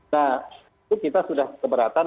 nah itu kita sudah keberatan